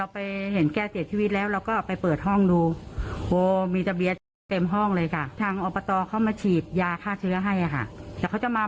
นี่แกอาจจะเก็บไว้รอขายอะไรอย่างนี้หรือเปล่า